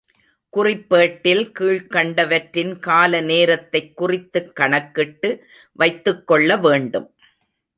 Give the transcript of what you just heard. குறிப்பேட்டில் கீழ்க்கண்டவற்றின் கால நேரத்தைக் குறித்துக் கணக்கிட்டு வைத்துக்கொள்ள வேண்டும்.